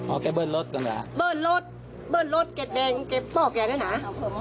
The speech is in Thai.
โอ้แกเบิ้ลรถกันแหละเบิ้ลรถเก็บบอกแกเนี้ยหน่า